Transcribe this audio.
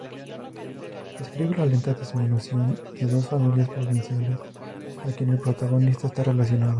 Describe la lenta disminución de dos familias provinciales a quien el protagonista está relacionado.